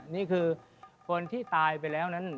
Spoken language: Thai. นี่คือคนที่ตายไปแล้วนั้น